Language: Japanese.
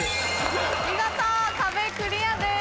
見事壁クリアです。